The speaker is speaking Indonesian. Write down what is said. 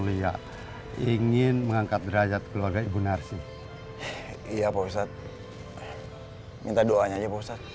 biar cinta menuntunku